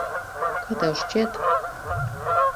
Kā tev šķiet?